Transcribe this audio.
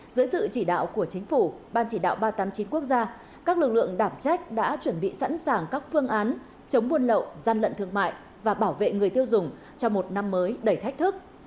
dưới sự chỉ đạo của chính phủ ban chỉ đạo ba trăm tám mươi chín quốc gia các lực lượng đảm trách đã chuẩn bị sẵn sàng các phương án chống buôn lậu gian lận thương mại và bảo vệ người tiêu dùng cho một năm mới đầy thách thức